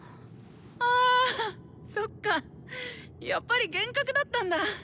はぁそっかやっぱり幻覚だったんだ。